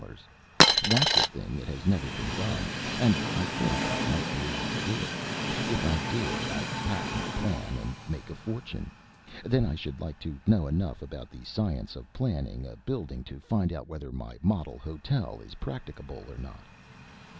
That's a thing that has never been done, and I think I might be able to do it. If I did, I'd patent the plan and make a fortune. Then I should like to know enough about the science of planning a building to find out whether my model hotel is practicable or not."